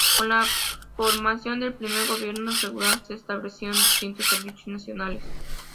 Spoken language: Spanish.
Con la formación del primer Gobierno Regular se establecieron distintos Servicios Nacionales.